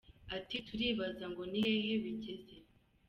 Ati “Turibaza ngo ni hehe bigeze.